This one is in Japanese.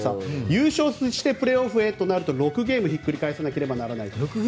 優勝してプレーオフへとなると６ゲームひっくり返さなければならないと。